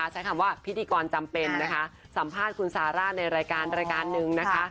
ใช้คำว่าพิธีกรจำเป็นนะคะสัมภาษณ์คุณซาร่าในรายการรายการหนึ่งนะคะ